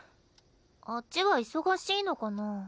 あっちは忙しいのかな？